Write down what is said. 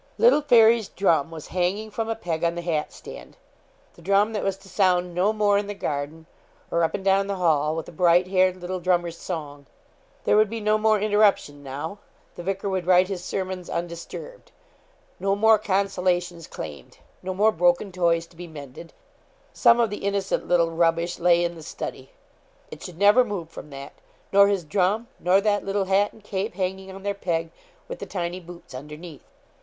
Little Fairy's drum was hanging from a peg on the hat stand the drum that was to sound no more in the garden, or up and down the hall, with the bright haired little drummer's song. There would be no more interruption now the vicar would write his sermons undisturbed; no more consolations claimed no more broken toys to be mended some of the innocent little rubbish lay in the study. It should never move from that nor his drum nor that little hat and cape, hanging on their peg, with the tiny boots underneath.